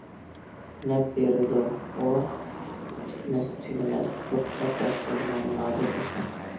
نەپ بېرىدۇ، ئۇ پۈتمەس- تۈگىمەس زوق ئاتا قىلىدىغان نادىر ئەسەر.